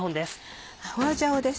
花椒です。